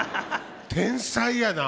天才やな。